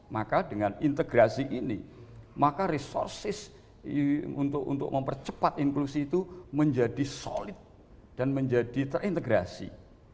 maka dengan integrasi ini maka resources untuk mempercepat inklusi itu menjadi solid dan menjadi terintegrasi